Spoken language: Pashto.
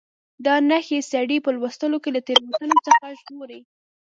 دا نښې سړی په لوستلو کې له تېروتنې څخه ژغوري.